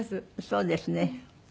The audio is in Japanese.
そうですね。